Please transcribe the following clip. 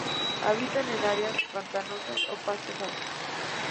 Habitan en áreas pantanosas o pastos altos.